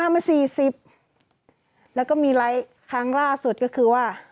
มา๔๐แล้วก็มีไลค์ครั้งล่าสุดก็คือว่า